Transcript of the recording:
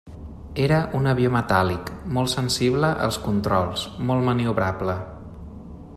Era un avió metàl·lic molt sensible als controls, molt maniobrable.